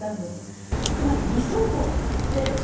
つまり義祖母。